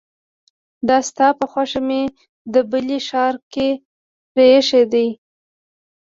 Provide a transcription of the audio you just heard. دا ستا په خوښه مې د بلې ښار کې پريښودلې